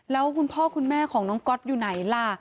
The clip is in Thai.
แล้วคุณพ่อคุณแม่คุณก๊อตอยู่ไหนล่ะ